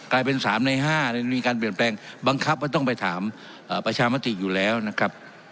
กลายเป็น๓ใน๕มีการเปลี่ยนแปลงบังคับว่าต้องไปถามประชามติอยู่แล้วนะครับ